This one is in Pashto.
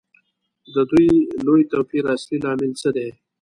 د دې لوی توپیر اصلي لامل څه دی